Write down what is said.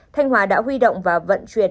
thanh hóa đã huy động và vận chuyển